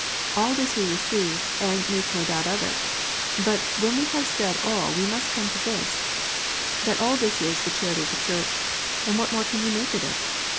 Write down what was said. All this we receive and make no doubt of it : but when we have said all we must come to this, that all this is the charity of the Church, and what more can you make of it